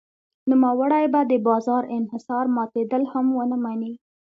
نوموړی به د بازار انحصار ماتېدل هم ونه مني.